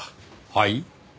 はい？